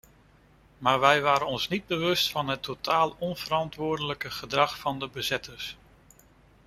Maar wij waren ons niet bewust van het totaal onverantwoordelijke gedrag van de bezetters.